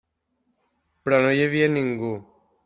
Però no hi havia ningú.